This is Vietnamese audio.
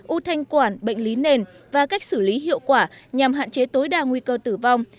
ưu thanh quản bệnh lý nền và cách xử lý hiệu quả nhằm hạn chế tối đa nguy cơ tử vong